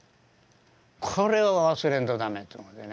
これは忘れんと駄目やと思ってね。